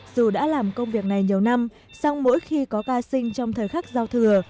dù đã làm công việc này nhiều năm sau mỗi khi có ca sinh trong thời khắc giao thừa